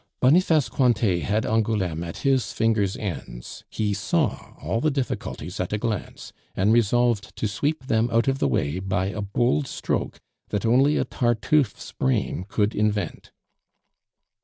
Boniface Cointet had Angouleme at his fingers' ends; he saw all the difficulties at a glance, and resolved to sweep them out of the way by a bold stroke that only a Tartuffe's brain could invent.